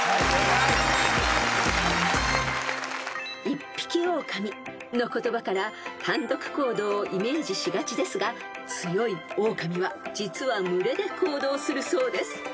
［「一匹おおかみ」の言葉から単独行動をイメージしがちですが強いオオカミは実は群れで行動するそうです］